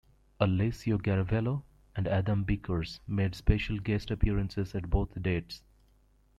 Alessio Garavello and Adam Bickers made special guest appearances at both dates.